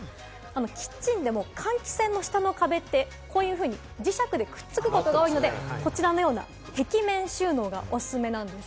キッチンでも換気扇の下の壁って磁石でくっつくことが多いので、こちらのような壁面収納がおすすめなんです。